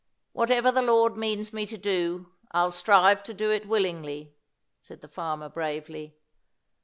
"Whatever the Lord means me to do, I'll strive to do it willingly," said the farmer, bravely.